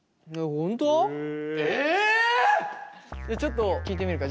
ちょっと聞いてみるか。